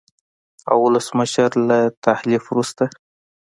او ولسمشر له تحلیف وروسته